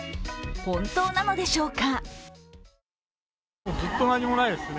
本当なのでしょうか。